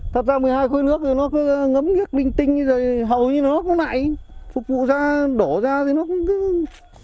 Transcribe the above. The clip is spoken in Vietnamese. thật ra một mươi hai khối nước thì nó cứ ngấm nhắc bình tinh như vậy hầu như nó không lại phục vụ ra đổ ra thì nó không